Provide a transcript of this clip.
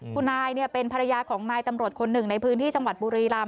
คุณนายเป็นภรรยาของนายตำรวจคนหนึ่งในพื้นที่จังหวัดบุรีรำ